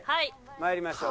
まいりましょう。